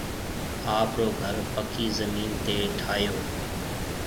آپرو گهر پڪِي زمين تي ٺاهيَو۔